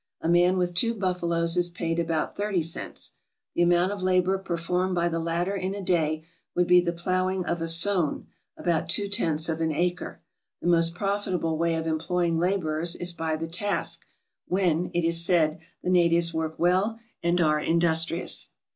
A man with two buffaloes is paid about thirty cents. The amount of labor performed by the latter in a day would be the plowing of a soane, about two tenths of an acre. The most profitable way of employing laborers is by the task, when, it is said, the natives work well, and are industrious.